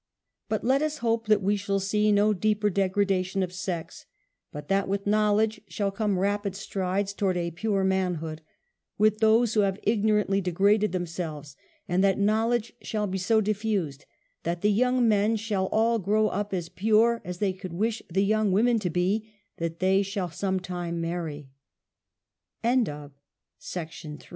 But let US hope that we shall see no deeper degrada tion of sex, but that with knowledge shall come rapid strides towards a pure manhood, with those who have ignorantly degraded themselves, and that know ledge shall be so diffused that the young men shall all grow up as pure as they could wish the you